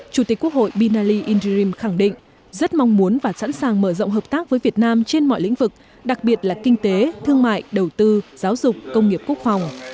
chủ tịch quốc hội binali indirim khẳng định rất mong muốn và sẵn sàng mở rộng hợp tác với việt nam trên mọi lĩnh vực đặc biệt là kinh tế thương mại đầu tư giáo dục công nghiệp quốc phòng